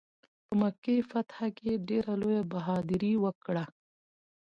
په مکې فتح کې ډېره لویه بهادري وکړه.